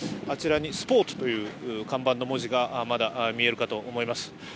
あちらにスポーツという看板の文字がまだ見えるかと思います。